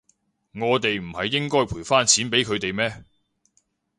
我哋唔係應該賠返錢畀佢哋咩？